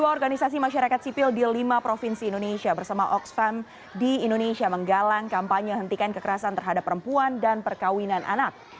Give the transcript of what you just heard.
dua organisasi masyarakat sipil di lima provinsi indonesia bersama oxfam di indonesia menggalang kampanye hentikan kekerasan terhadap perempuan dan perkawinan anak